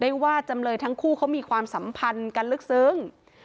ว่าจำเลยทั้งคู่เขามีความสัมพันธ์กันลึกซึ้ง